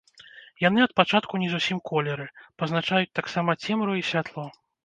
Яны ад пачатку не зусім колеры, пазначаюць таксама цемру і святло.